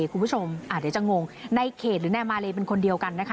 คุณผู้ชมเดี๋ยวจะงงในเขตหรือนายมาเลเป็นคนเดียวกันนะคะ